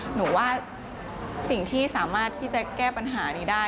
หนูว่าสิ่งที่สามารถที่จะแก้ปัญหานี้ได้